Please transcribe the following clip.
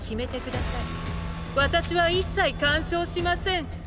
私は一切干渉しません。